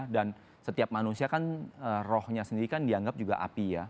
dan setiap manusia kan rohnya sendiri kan dianggap juga api ya